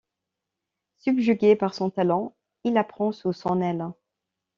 Subjugué par son talent, il la prend sous son aile.